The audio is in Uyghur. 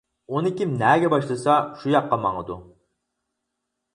ئۇنى كىم نەگە باشلىسا شۇ ياققا ماڭىدۇ.